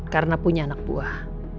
karena punya anak buah